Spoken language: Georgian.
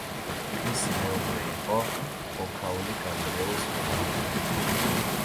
მისი მეუღლე იყო ბოქაული გაბრიელ სულხანიშვილი.